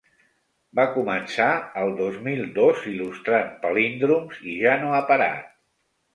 Va començar el dos mil dos il·lustrant palíndroms i ja no ha parat.